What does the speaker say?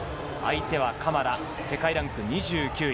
相手はカマラ、世界ランク２９位。